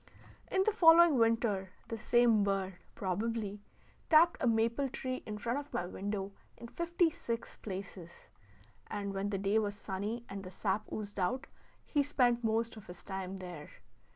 In the following winter the same bird (probably) tapped a maple tree in front of my window in fifty six places; and when the day was sunny, and the sap oozed out, he spent most of his time there.